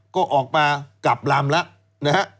ก็ออกมากลับลำแล้วนะฮะ